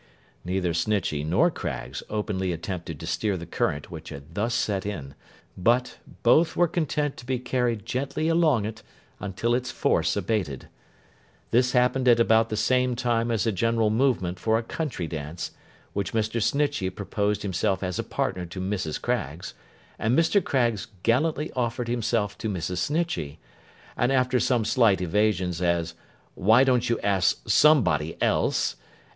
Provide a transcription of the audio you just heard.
Neither Snitchey nor Craggs openly attempted to stem the current which had thus set in, but, both were content to be carried gently along it, until its force abated. This happened at about the same time as a general movement for a country dance; when Mr. Snitchey proposed himself as a partner to Mrs. Craggs, and Mr. Craggs gallantly offered himself to Mrs. Snitchey; and after some such slight evasions as 'why don't you ask somebody else?